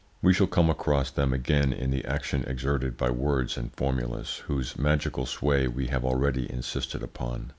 We shall come across them again in the action exerted by words and formulas, whose magical sway we have already insisted upon.